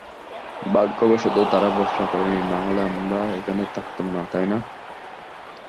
ভাগ্যবশত তারা ভরসা করেনি, নাহলে আমরা এখানে থাকতাম না, তাই না?